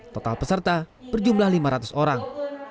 total peserta berjumlah lima ratus orang